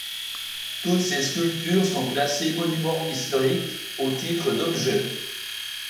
Toutes ces sculptures sont classées monuments historiques au titre d'objet.